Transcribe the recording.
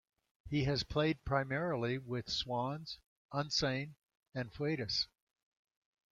He has played primarily with Swans, Unsane, and Foetus.